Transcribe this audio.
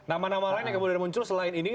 nama nama lain yang kemudian muncul selain ini